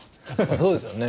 そうですよね。